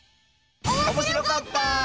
おもしろかった！